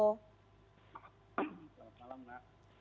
selamat malam mbak